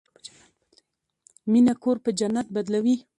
مینه کور په جنت بدلوي.